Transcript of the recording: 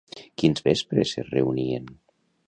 Quins vespres es reunien?